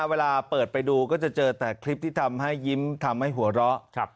เวลาเปิดไปดูก็จะเจอแต่คลิปที่ทำให้ยิ้มทำให้หัวเราะ